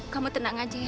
kamu tenang aja ya nak ya